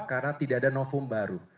karena tidak ada novum baru